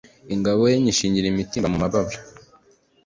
ingabo ye nyishingira imitimba mu mabara